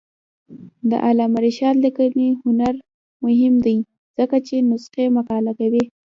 د علامه رشاد لیکنی هنر مهم دی ځکه چې نسخې مقابله کوي.